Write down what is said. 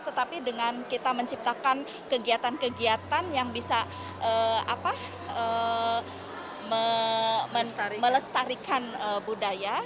tetapi dengan kita menciptakan kegiatan kegiatan yang bisa melestarikan budaya